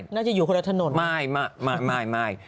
น่าจะอยู่คนละถนนครับแคมไม่